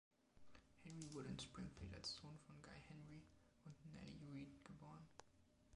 Henry wurde in Springfield als Sohn von Guy Henry und Nellie Reed geboren.